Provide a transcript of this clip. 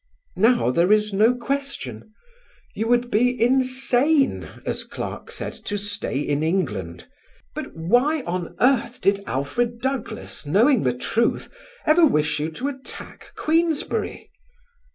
Now there is no question: you would be insane, as Clarke said, to stay in England. But why on earth did Alfred Douglas, knowing the truth, ever wish you to attack Queensberry?"